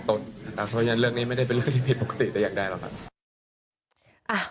เพราะฉะนั้นเรื่องนี้ไม่ได้เป็นเรื่องที่ผิดปกติแต่อย่างใดหรอกครับ